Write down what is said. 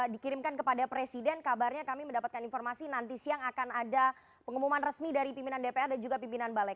dikirimkan kepada presiden kabarnya kami mendapatkan informasi nanti siang akan ada pengumuman resmi dari pimpinan dpr dan juga pimpinan balik